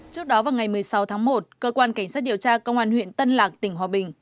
trước đó vào ngày một mươi sáu tháng một cơ quan cảnh sát điều tra công an huyện tân lạc tỉnh hòa bình